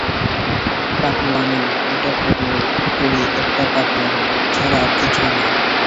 পাগলামি, এটা পুরোপুরি একটা পাগলামো ছাড়া আর কিছুই না!